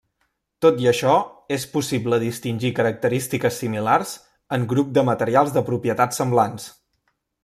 Tot i això, és possible distingir característiques similars en grup de materials de propietats semblants.